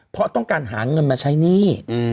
เพราะต้องการหาเงินมาใช้หนี้